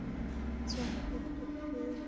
আচ্ছা, আমাদেরটার কী অবস্থা?